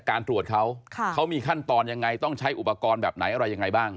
การตรวจเขาเขามีขั้นตอนยังไงต้องใช้อุปกรณ์แบบไหนอะไรยังไงบ้าง